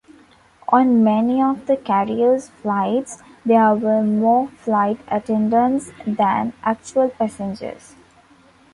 On many of the carrier's flights, there were more flight attendants than actual passengers.